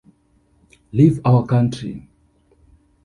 Leave our Country!